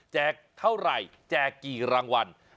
เท่าไหร่แจกกี่รางวัล